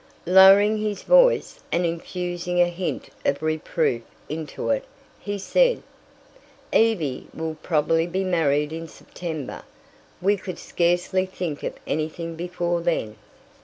Lowering his voice and infusing a hint of reproof into it, he said: "Evie will probably be married in September. We could scarcely think of anything before then."